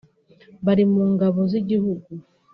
bari mu ngabo z'igihugu